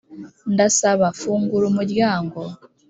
ndasaba; fungura umuryango